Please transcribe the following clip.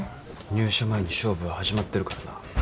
入社前に勝負は始まってるからな。